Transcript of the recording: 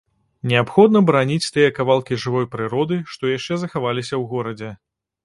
Неабходна бараніць тыя кавалкі жывой прыроды, што яшчэ захаваліся ў горадзе.